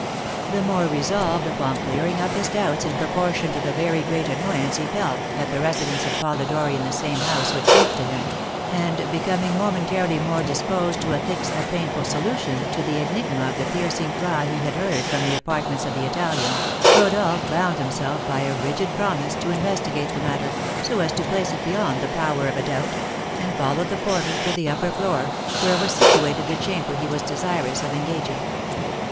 The more resolved upon clearing up his doubts in proportion to the very great annoyance he felt that the residence of Polidori in the same house would prove to him, and becoming momentarily more disposed to affix a painful solution to the enigma of the piercing cry he had heard from the apartments of the Italian, Rodolph bound himself by a rigid promise to investigate the matter, so as to place it beyond the power of a doubt, and followed the porter to the upper floor, where was situated the chamber he was desirous of engaging.